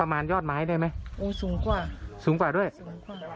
มายอดไม้ได้ไหมโอ้สูงกว่าสูงกว่าด้วยสูงกว่า